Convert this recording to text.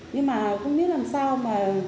nhưng mà không biết làm sao mà